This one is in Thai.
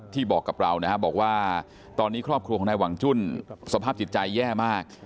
บอกกับเรานะครับบอกว่าตอนนี้ครอบครัวของนายหวังจุ้นสภาพจิตใจแย่มาก